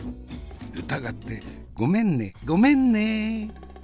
疑ってごめんねごめんね！